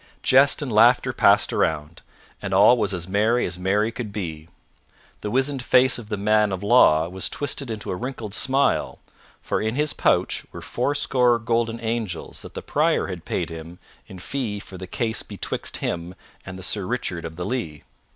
Jest and laughter passed around, and all was as merry as merry could be. The wizened face of the man of law was twisted into a wrinkled smile, for in his pouch were fourscore golden angels that the Prior had paid him in fee for the case betwixt him and Sir Richard of the Lea.